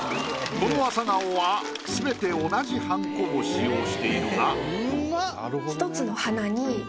この朝顔はすべて同じはんこを使用しているが。